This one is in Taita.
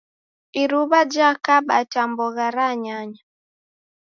Iruw'a jakaba ata mbogha ranyaya.